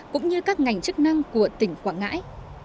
cũng như các ngành chức năng của tỉnh quảng ngãi